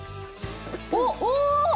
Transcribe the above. おっ、おー！